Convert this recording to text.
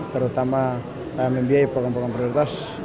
terutama membiayai program program prioritas